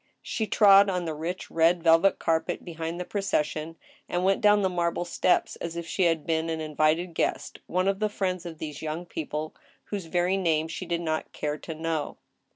She trod on the rich red velvet carpet behind the procession, and went down the marble steps as if she had been an invited guest —one of the friends of these young people, whose very names she did not care to know.